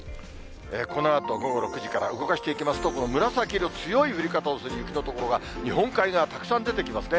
このあと午後６時から動かしていきますと、この紫色、強い降り方をする雪の所が、日本海側、たくさん出てきますね。